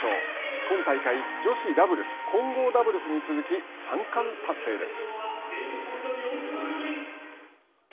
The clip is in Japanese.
今大会、女子ダブルス混合ダブルスに続き三冠達成です。